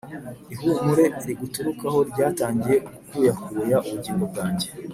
Ihumure riguturukaho ryatangiye gukuyakuya ubugingo bwanjye